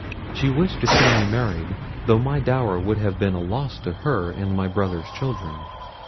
She wished to see me married, though my dower would have been a loss to her and my brother's children.